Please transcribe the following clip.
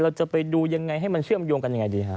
เราจะไปดูยังไงให้มันเชื่อมโยงกันยังไงดีฮะ